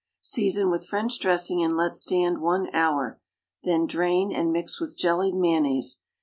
Season with French dressing and let stand one hour; then drain, and mix with jellied mayonnaise.